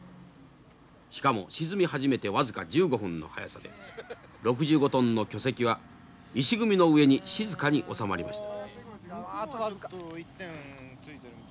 しかも沈み始めて僅か１５分の速さで６５トンの巨石は石組みの上に静かにおさまりました。